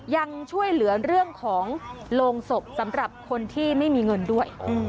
ยังช่วยเหลือเรื่องของโรงศพสำหรับคนที่ไม่มีเงินด้วย